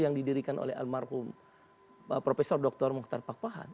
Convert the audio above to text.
yang didirikan oleh almarhum profesor dr muhtar pak pahan